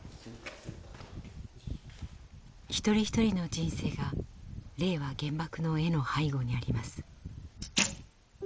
一人一人の人生が「令和原爆の絵」の背後にあります。